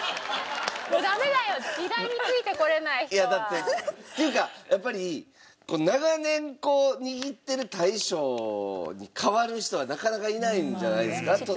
もうダメだよ時代についてこれない人は。っていうかやっぱり長年握ってる大将に代わる人はなかなかいないんじゃないですか？